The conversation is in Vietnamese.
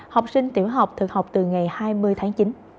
học sinh tiểu học thực học từ ngày hai mươi tháng chín